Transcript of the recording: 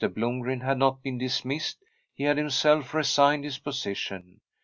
Blomgren had not been dis missed: he had himself resigned his position.